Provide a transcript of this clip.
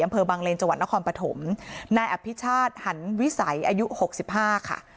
อำเภอบางเลนจนครปฐมนายอัพพิชาติหันวิสัยอายุ๖๕ค่ะ